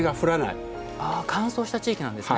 乾燥した地域なんですね。